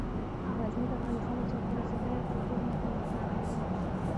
غزني د افغانستان د چاپیریال ساتنې لپاره ډیر مهم ځای دی.